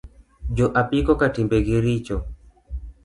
Jo apiko ka timbe gi richo